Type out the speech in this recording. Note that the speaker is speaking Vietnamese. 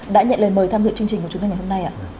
đã nhận lời mời tham dự chương trình của chúng tôi ngày hôm nay ạ